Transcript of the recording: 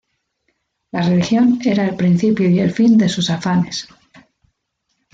La religión era el principio y el fin de sus afanes.